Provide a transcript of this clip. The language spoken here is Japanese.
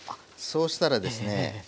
そうしたらですね